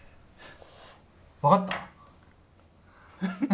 わかった？